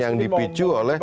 yang dipicu oleh